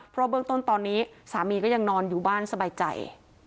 เพราะเบื้องต้นตอนนี้สามีก็ยังนอนอยู่บ้านสบายใจ